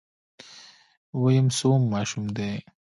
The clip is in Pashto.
ويم څووم ماشوم دی.